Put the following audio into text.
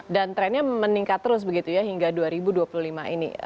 dan trendnya meningkat terus begitu ya hingga dua ribu dua puluh lima ini